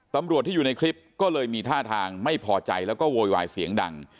ตำรวจที่อยู่ในคลิปก็เลยมีท่าทางไม่พอใจแล้วก็โวยวายเสียงดัง